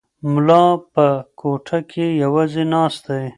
ملا په کوټه کې یوازې ناست دی.